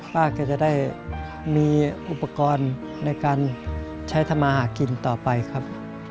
ป้าก็จะได้มีอุปกรณ์ในการใช้ธมาศกิณฑ์ต่อไปครับ